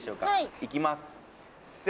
いきます